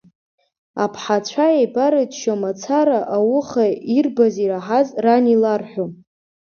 Аԥҳацәа еибарччо мацара ауха ирбаз-ираҳаз ран иларҳәон.